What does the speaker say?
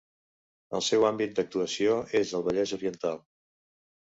El seu àmbit d'actuació és el Vallès Oriental.